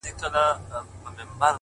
اسمان چي مځکي ته راځي قیامت به سینه؛؛!